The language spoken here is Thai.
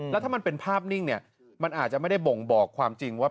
ก็จะไม่สร้างสรรเท่าไรนัก